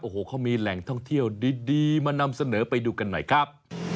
โอ้โหเขามีแหล่งท่องเที่ยวดีมานำเสนอไปดูกันหน่อยครับ